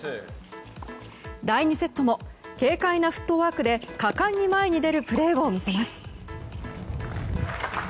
第２セットも軽快なフットワークで果敢に前に出るプレーを見せます。